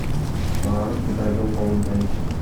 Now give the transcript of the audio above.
Баары Кудайдын колунда экен.